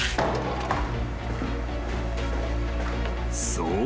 ［そう。